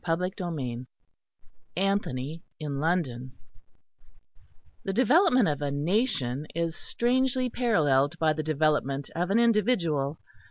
PART II CHAPTER I ANTHONY IN LONDON The development of a nation is strangely paralleled by the development of an individual.